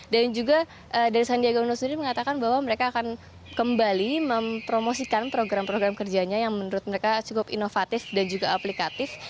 dan juga dari sandiaga uno sendiri mengatakan bahwa mereka akan kembali mempromosikan program program kerjanya yang menurut mereka cukup inovatif dan juga aplikatif